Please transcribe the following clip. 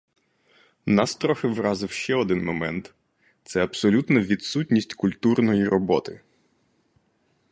Нас трохи вразив ще один момент — це абсолютна відсутність культурної роботи.